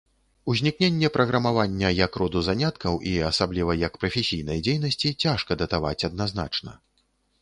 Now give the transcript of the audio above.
Узнікненне праграмавання як роду заняткаў, і, асабліва, як прафесійнай дзейнасці, цяжка датаваць адназначна.